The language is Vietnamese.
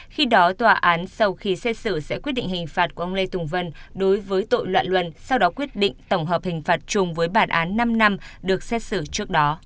khi đó tòa án sau khi xét xử sẽ quyết định hình phạt của ông lê tùng vân đối với tội loạn luân sau đó quyết định tổng hợp hình phạt chung với bản án năm năm được xét xử trước đó